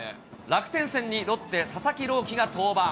楽天戦にロッテ、佐々木朗希が登板。